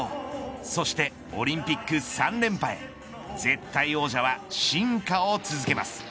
そして、オリンピック３連覇へ絶対王者は進化を続けます。